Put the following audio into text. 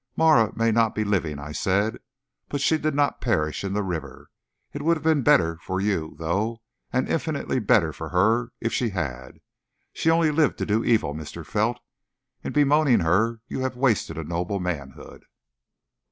"Marah may not be living," I said, "but she did not perish in the river. It would have been better for you, though, and infinitely better for her if she had. She only lived to do evil, Mr. Felt. In bemoaning her you have wasted a noble manhood."